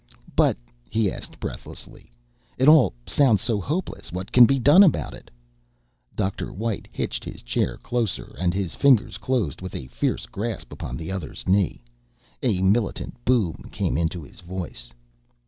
"But," he asked breathlessly, "it all sounds so hopeless. What can be done about it?" Dr. White hitched his chair closer and his fingers closed with a fierce grasp upon the other's knee. A militant boom came into his voice.